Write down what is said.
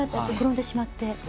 転んでしまって。